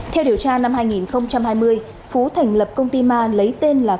theo điều tra năm hai nghìn hai mươi phú thành lập công ty ma lấy tên là